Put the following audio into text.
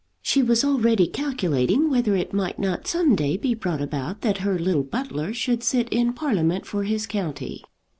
She was already calculating whether it might not some day be brought about that her little Butler should sit in Parliament for his county.